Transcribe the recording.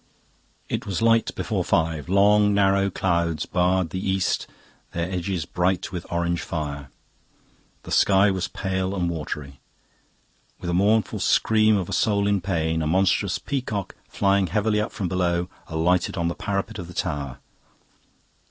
It was light before five. Long, narrow clouds barred the east, their edges bright with orange fire. The sky was pale and watery. With the mournful scream of a soul in pain, a monstrous peacock, flying heavily up from below, alighted on the parapet of the tower.